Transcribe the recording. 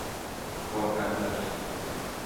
Korkaklar!